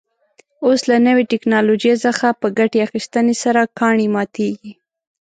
اوس له نوې تکنالوژۍ څخه په ګټې اخیستنې سره کاڼي ماتېږي.